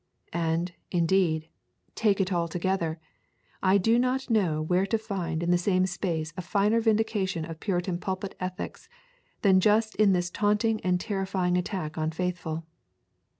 And, indeed, take it altogether, I do not know where to find in the same space a finer vindication of Puritan pulpit ethics than just in this taunting and terrifying attack on Faithful.